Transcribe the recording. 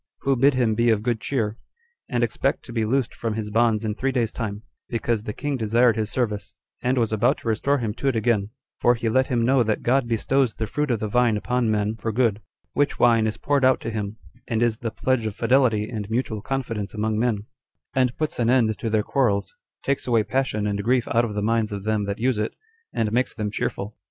Who bid him be of good cheer, and expect to be loosed from his bonds in three days' time, because the king desired his service, and was about to restore him to it again; for he let him know that God bestows the fruit of the vine upon men for good; which wine is poured out to him, and is the pledge of fidelity and mutual confidence among men; and puts an end to their quarrels, takes away passion and grief out of the minds of them that use it, and makes them cheerful.